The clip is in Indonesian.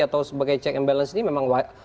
atau sebagai check and balance ini memang